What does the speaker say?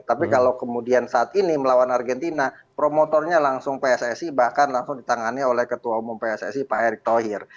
tapi kalau kemudian saat ini melawan argentina promotornya langsung pssi bahkan langsung ditangani oleh ketua umum pssi pak erick thohir